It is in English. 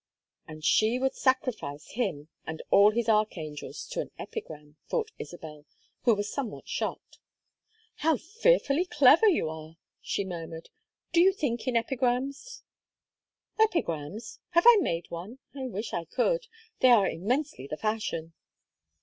"And she would sacrifice Him and all his archangels to an epigram," thought Isabel, who was somewhat shocked. "How fearfully clever you are!" she murmured. "Do you think in epigrams?" "Epigrams? Have I made one? I wish I could. They are immensely the fashion."